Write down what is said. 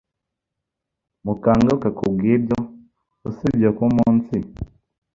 Mukanguke kubwibyo, usibye ko umunsi